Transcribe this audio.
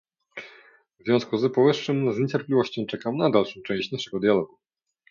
W związku z powyższym z niecierpliwością czekam na dalszą część naszego dialogu